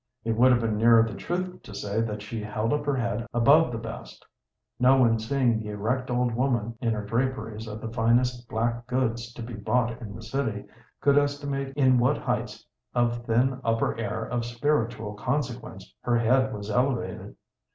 It would have been nearer the truth to say that she held up her head above the best. No one seeing the erect old woman, in her draperies of the finest black goods to be bought in the city, could estimate in what heights of thin upper air of spiritual consequence her head was elevated.